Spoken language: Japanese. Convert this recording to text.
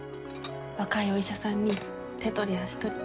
若いお医者さんに手取り足取り。